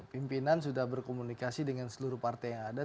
pimpinan sudah berkomunikasi dengan seluruh partai yang ada